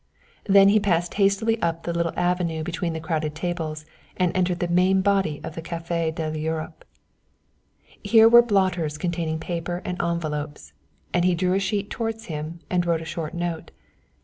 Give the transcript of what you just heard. Then he passed hastily up the little avenue between the crowded tables and entered the main body of the Café de l'Europe. Here were blotters containing paper and envelopes, and he drew a sheet towards him and wrote a short note.